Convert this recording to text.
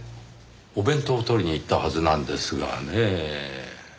お弁当を取りに行ったはずなんですがねぇ。